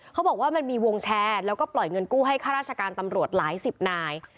เขาบอกว่ามันมีวงแชร์แล้วก็ปล่อยเงินกู้ให้ข้าราชการตำรวจหลายสิบนาย